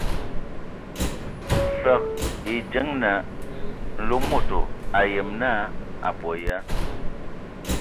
Fəg e dzeŋa Mlomodo, a ayem naa a abɔ ya.